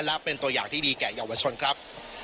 และเป็นตัวอย่างที่ดีแก่เยาวชนครับ